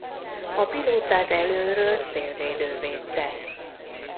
A pilótát elölről szélvédő védte.